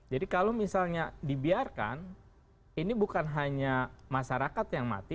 jadi kalau misalnya dibiarkan ini bukan hanya masyarakat yang mati